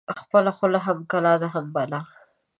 خپله خوله هم کلا ده هم بلا.